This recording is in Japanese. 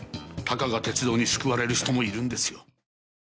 たかが鉄道に救われる人もいるんですよ。